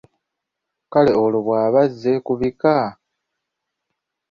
Kale olwo bw’aba azze kubika?